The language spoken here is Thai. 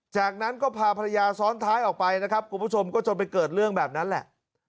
จากนั้นก็พาภรรยาซ้อนท้ายออกไปนะครับคุณผู้ชมก็จนไปเกิดเรื่องแบบนั้นแหละ